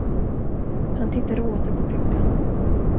Han tittade åter på klockan.